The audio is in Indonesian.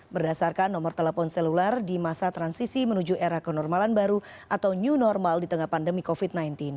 berdasarkan nomor telepon seluler di masa transisi menuju era kenormalan baru atau new normal di tengah pandemi covid sembilan belas